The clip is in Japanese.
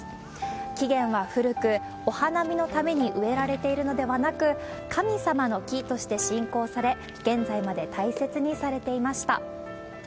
起源は古く、お花見のために植えられているのではなく、神様の木として信仰され、現在まで大切にされていました。